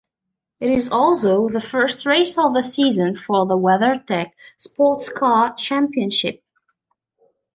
It is also the first race of the season for the WeatherTech SportsCar Championship.